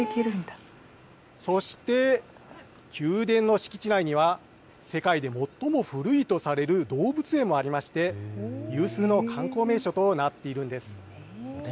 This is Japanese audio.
そして、宮殿の敷地内には世界で最も古いとされる動物園もありまして有数の観光名所となっているんです。